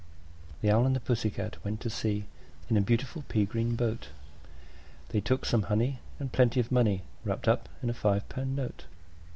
The Owl and the Pussy Cat went to sea In a beautiful pea green boat: They took some honey, and plenty of money Wrapped up in a five pound note.